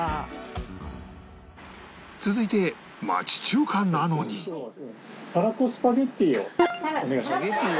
続いて町中華なのにたたらこ？